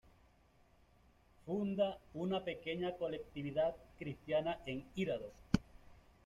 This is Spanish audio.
Funda una pequeña colectividad cristiana en Hirado.